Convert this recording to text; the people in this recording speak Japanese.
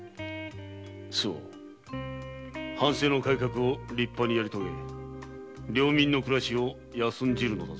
周防藩政の改革を立派にやりとげ領民の暮らしを安んじるのだぞ。